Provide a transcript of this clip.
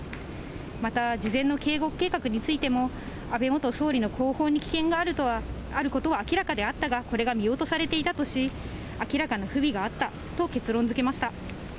また、事前の警護計画についても、安倍元総理の後方に危険があることは明らかであったが、これが見落とされていたとし、明らかな不備があったと結論づけました。